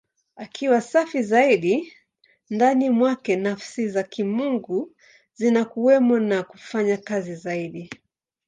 Akiwa safi zaidi, ndani mwake Nafsi za Kimungu zinakuwemo na kufanya kazi zaidi.